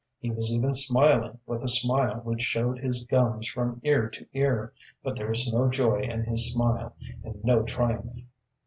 He was even smiling with a smile which showed his gums from ear to ear, but there was no joy in his smile, and no triumph.